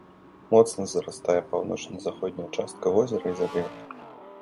Моцна зарастае паўночна-заходняя частка возера і залівы.